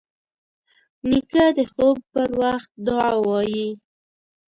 نیکه د خوب پر وخت دعا وايي.